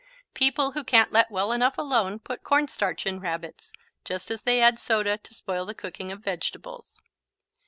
People who can't let well enough alone put cornstarch in Rabbits, just as they add soda to spoil the cooking of vegetables.